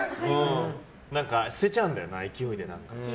何か捨てちゃうんだよな、勢いで。